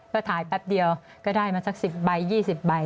ก็ถ่ายแป๊บเดียวก็ได้มาสัก๑๐ใบ๒๐ใบ